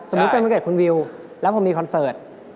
เป็นวันเกิดคุณวิวแล้วผมมีคอนเสิร์ต